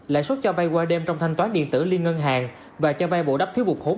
lãi suất cho vay qua đêm trong thanh toán điện tử liên ngân hàng và cho vay bộ đắp thiếu vụt hốn